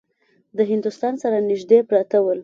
د هندوستان سره نیژدې پراته ول.